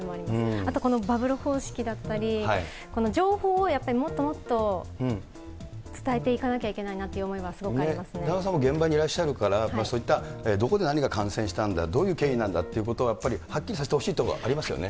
あとこのバブル方式だったり、この情報をやっぱりもっともっと伝えていかなきゃいけないなとい田中さんも現場にいらっしゃるから、どこでどういうふうに感染したんだ、どういう経緯なんだということをやっぱりはっきりさせてほしいところ、ありますよね。